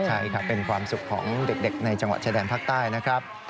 ใช่ค่ะเป็นความสุขของเด็กในจังหวัดชายแดนภาคใต้นะครับ